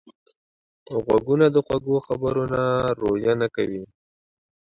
غوږونه د خوږو خبرو نه روژه نه کوي